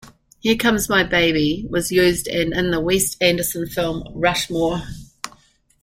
"Here Comes My Baby" was used in the Wes Anderson film "Rushmore".